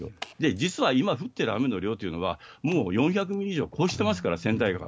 実は今、降ってる雨の量というのは、もう４００ミリ以上超してますから、川内川。